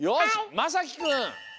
まさきくん！